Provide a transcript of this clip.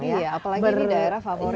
iya apalagi ini daerah favorit